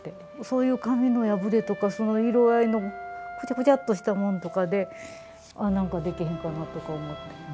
そういう紙の破れとかその色合いのクチャクチャッとしたもんとかで「あなんかできへんかな」とか思って。